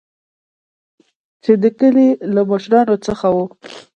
چې د کلي له مشران څخه وو.